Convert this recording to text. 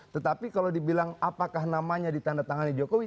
tetapi kalau dibilang apakah namanya ditanda tangannya jokowi